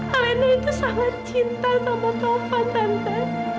alena itu sangat cinta sama paufan tante